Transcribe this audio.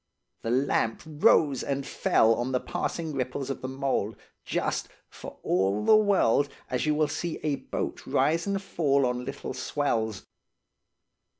The lamp rose and fell on the passing ripples of the mould, just–for all the world–as you will see a boat rise and fall on little swells.